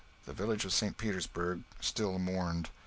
The village of St. Petersburg still mourned.